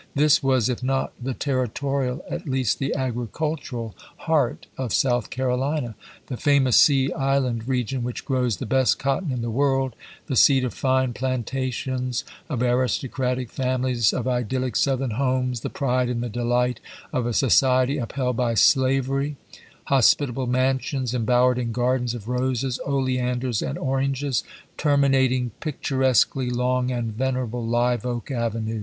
This was, if not the territorial, at least the agricultural heart of South Carolina; the famous Sea Island region, which grows the best cotton in the world; the seat of fine plantations, of aristo cratic families, of idyllic Southern homes, the pride and the delight of a society upheld by slavery; hospitable mansions, embowered in gardens of roses, oleanders, and oranges, terminating pictur esquely long and venerable live oak avenues.